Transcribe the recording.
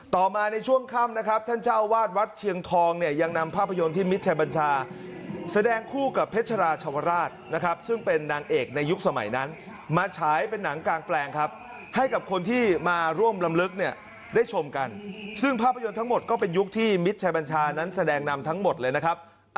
มาในช่วงค่ำนะครับท่านเจ้าวาดวัดเชียงทองเนี่ยยังนำภาพยนตร์ที่มิตรชัยบัญชาแสดงคู่กับเพชรราชวราชนะครับซึ่งเป็นนางเอกในยุคสมัยนั้นมาฉายเป็นหนังกลางแปลงครับให้กับคนที่มาร่วมลำลึกเนี่ยได้ชมกันซึ่งภาพยนตร์ทั้งหมดก็เป็นยุคที่มิตรชัยบัญชานั้นแสดงนำทั้งหมดเลยนะครับ